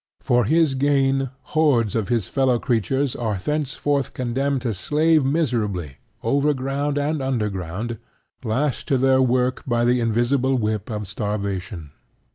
For his gain, hordes of his fellow creatures are thenceforth condemned to slave miserably, overground and underground, lashed to their work by the invisible whip of starvation.